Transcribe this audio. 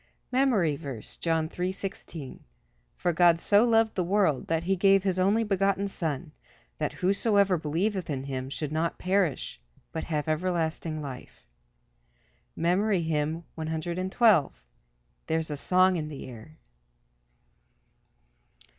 MEMORY VERSE, John 3: 16 "For God so loved the world, that he gave his only begotten Son, that whosoever believeth in him should not perish, but have everlasting life." MEMORY HYMN _"There's a song in the air."